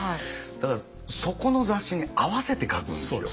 だからそこの雑誌に合わせて書くんですよ。